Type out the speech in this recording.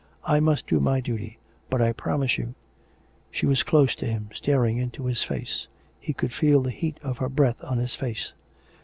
I must do my duty. But I promise you " She was close to him, staring into his face ; he could feel the heat of her breath on his face.